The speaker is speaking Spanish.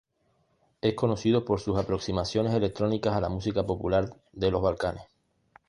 Es conocido por sus aproximaciones electrónicas a la música popular de los Balcanes.